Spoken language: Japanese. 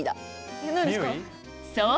そう！